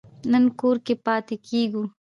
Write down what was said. نن کور کې پاتې کیږو